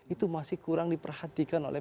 itu masih kurang diperhatikan oleh